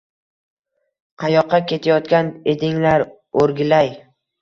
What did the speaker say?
Qayoqqa ketayotgan edinglar, o‘rgilay?